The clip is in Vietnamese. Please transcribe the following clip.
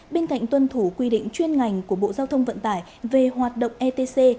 bên cạnh tuân thủ quy định chuyên ngành của bộ giao thông vận tải về hoạt động etc